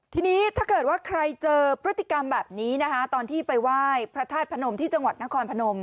ทีนี้ถ้าเกิดว่าใครเจอพฤติกรรมแบบนี้นะคะตอนที่ไปไหว้พระธาตุพนมที่จังหวัดนครพนม